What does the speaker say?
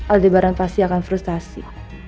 aldebaran pasti akan frustasi